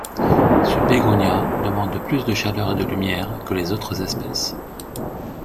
Ce bégonia demande plus de chaleur et de lumière que les autres espèces.